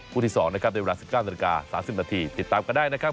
ที่๒นะครับในเวลา๑๙นาฬิกา๓๐นาทีติดตามกันได้นะครับ